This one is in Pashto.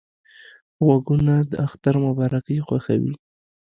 غوږونه د اختر مبارکۍ خوښوي